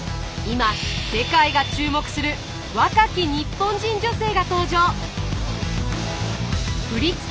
今世界が注目する若き日本人女性が登場！